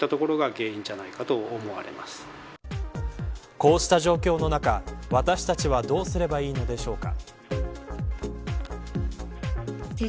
こうした状況の中私たちはどうすればいいのでしょうか。